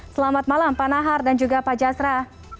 selamat malam pak nahar dan juga pak jasra